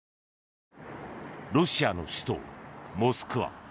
ロシアの首都モスクワ。